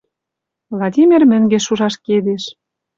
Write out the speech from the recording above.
Владимир мӹнгеш уж ашкедеш —